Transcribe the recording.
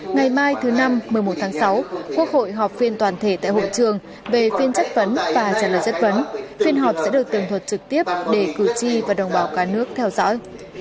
ngày mai thứ năm một mươi một tháng sáu quốc hội họp phiên toàn thể tại hội trường về phiên chất vấn và trả lời chất vấn phiên họp sẽ được tường thuật trực tiếp để cử tri và đồng bào cả nước theo dõi